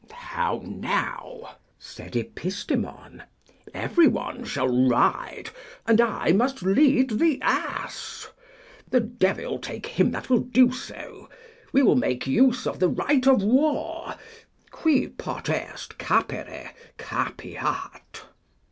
How now! said Epistemon; everyone shall ride, and I must lead the ass? The devil take him that will do so. We will make use of the right of war, Qui potest capere, capiat.